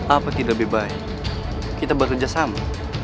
apakah tidak lebih baik kita bekerjasama